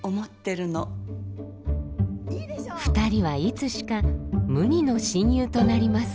２人はいつしか無二の親友となります。